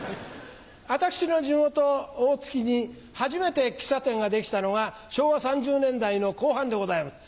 私の地元大月に初めて喫茶店が出来たのが昭和３０年代の後半でございます。